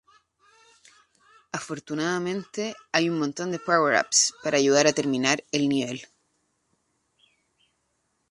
Afortunadamente, hay un montón de power-ups para ayudar a terminar el nivel.